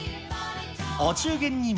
お中元にも。